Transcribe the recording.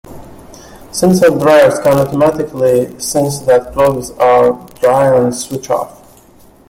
Sensor dryers can automatically sense that clothes are dry and switch off.